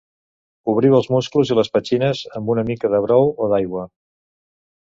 Obriu els musclos i les petxines amb una mica de brou o d'aigua.